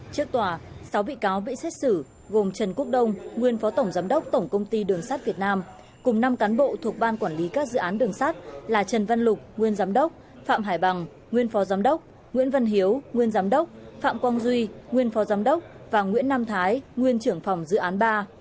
trước tòa sáu bị cáo bị xét xử gồm trần quốc đông nguyên phó tổng giám đốc tổng công ty đường sắt việt nam cùng năm cán bộ thuộc ban quản lý các dự án đường sát là trần văn lục nguyên giám đốc phạm hải bằng nguyên phó giám đốc nguyễn văn hiếu nguyên giám đốc phạm quang duy nguyên phó giám đốc và nguyễn nam thái nguyên trưởng phòng dự án ba